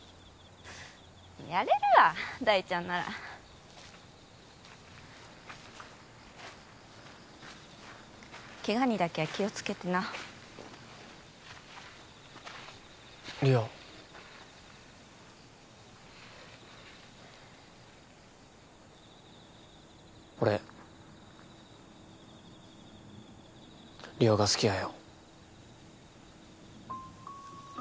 やれるわ大ちゃんならケガにだけは気をつけてな梨央俺梨央が好きやよ